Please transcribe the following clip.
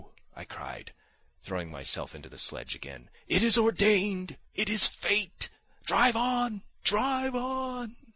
I cried, throwing myself into the sledge again. "It is ordained! It is fate! Drive on, drive on!"